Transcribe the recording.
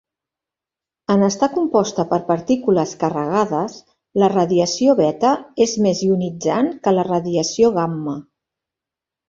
En estar composta per partícules carregades, la radiació beta és més ionitzant que la radiació gamma.